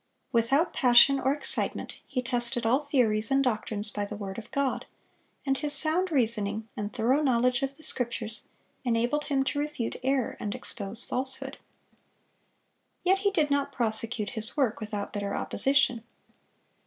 Without passion or excitement, he tested all theories and doctrines by the word of God; and his sound reasoning, and thorough knowledge of the Scriptures, enabled him to refute error and expose falsehood. Yet he did not prosecute his work without bitter opposition.